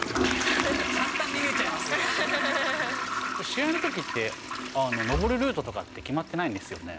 試合のときって、登るルートとかって決まってないんですよね？